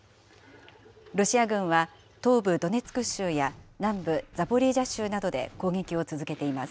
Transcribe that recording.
ロシア軍は、東部ドネツク州や南部ザポリージャ州などで攻撃を続けています。